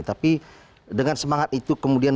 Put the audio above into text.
tapi dengan semangat itu kemudian